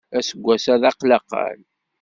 Aseggas-a d aqlaqal.